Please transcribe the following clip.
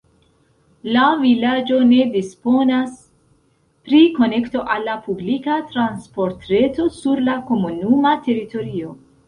La vilaĝo ne disponas pri konekto al la publika transportreto sur la komunuma teritorio.